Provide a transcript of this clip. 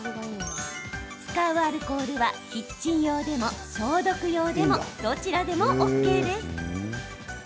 使うアルコールはキッチン用でも消毒用でもどちらでもＯＫです。